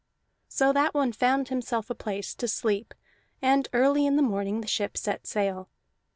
So that one found himself a place to sleep, and early in the morning the ship set sail.